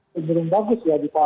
menurun bagus ya di kuartal